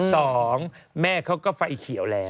สองแม่เขาก็ไฟเขียวแล้ว